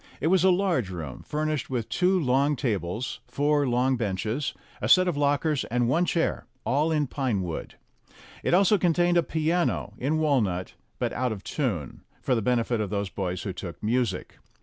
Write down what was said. It was a large room, furnished with two long tables, four long benches, a set of lockers, and one chair all in pine wood. It also contained a piano, in walnut, but out of tune, for the benefit of those boys who took music.